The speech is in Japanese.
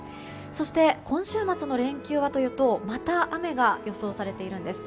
そして、今週末の連休はというとまた雨が予想されているんです。